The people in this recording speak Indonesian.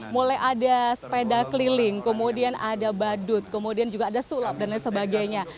mulai ada sepeda keliling kemudian ada badut kemudian juga ada sulap dan lain sebagainya